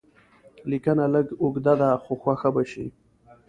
لیکنه لږ اوږده ده خو خوښه به شي.